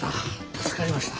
助かりました。